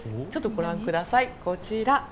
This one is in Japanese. ご覧ください、こちら。